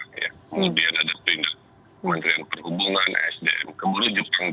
kemudian ada pindah kementerian perhubungan sdm kembali jepang